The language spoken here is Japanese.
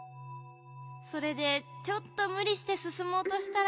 それでちょっとむりしてすすもうとしたら。